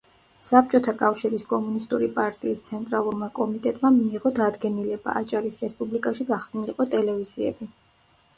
საბჭოთა კავშირის კომუნისტური პარტიის ცენტრალურმა კომიტეტმა მიიღო დადგენილება, აჭარის რესპუბლიკაში გახსნილიყო ტელევიზიები.